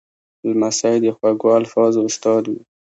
لمسی د خوږو الفاظو استاد وي.